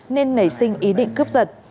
nên nảy sinh ý định cướp giật